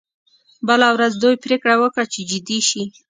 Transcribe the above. بله ورځ دوی پریکړه وکړه چې جدي شي